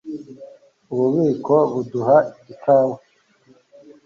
Ububiko buduha ikawa